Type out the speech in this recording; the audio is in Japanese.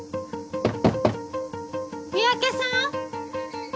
三宅さん！